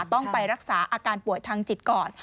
ต้องไปรักษาอาการป่วยทางจิตก่อน